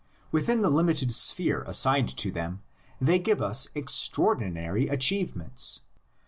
Within the lim ited sphere assigned to them they give us extraor dinary achievements.